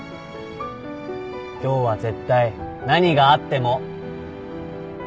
今日は絶対何があっても。